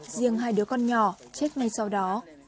riêng hai đứa con nhỏ chết ngay sau đó